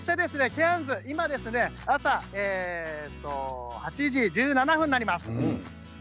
ケアンズ、今は朝８時１７分になります。